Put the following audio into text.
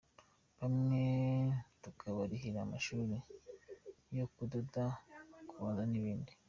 Bamwe tukabarihira amashuri yo kudoda, kubaza n’ibindi.